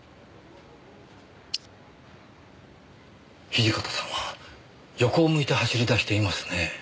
土方さんは横を向いて走り出していますねぇ。